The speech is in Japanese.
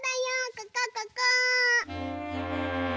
ここここ！